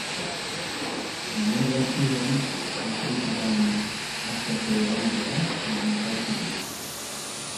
Negu hasieran Afrikara nahiz Asiako hegoaldera migratzen du.